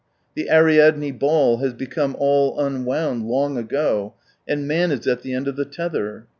The Ariadne ball has become all unwound long ago, and man is at the end of the tether.